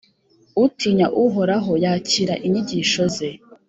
Utinya Uhoraho yakira inyigisho ze,